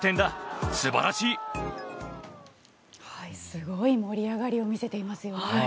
すごい盛り上がりを見せていますよね。